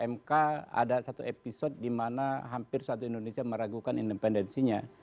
mk ada satu episode di mana hampir suatu indonesia meragukan independensinya